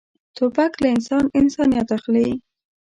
توپک له انسان انسانیت اخلي.